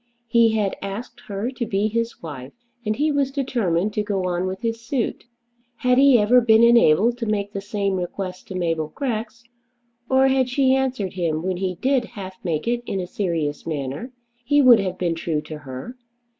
He had asked her to be his wife, and he was determined to go on with his suit. Had he ever been enabled to make the same request to Mabel Grex, or had she answered him when he did half make it in a serious manner, he would have been true to her.